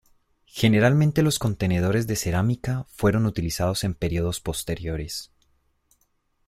Generalmente los contenedores de cerámica fueron utilizados en períodos posteriores.